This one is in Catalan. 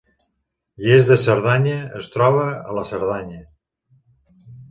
Lles de Cerdanya es troba a la Cerdanya